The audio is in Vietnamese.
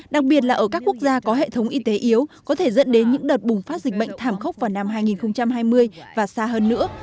đặc biệt là ở các quốc gia có hệ thống y tế yếu có thể dẫn đến những đợt bùng phát dịch bệnh thảm khốc vào năm hai nghìn hai mươi và xa hơn nữa